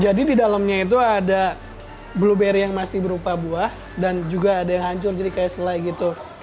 jadi di dalamnya itu ada blueberry yang masih berupa buah dan juga ada yang hancur jadi kayak selai gitu